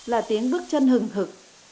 là tiếng bước chân hừng hực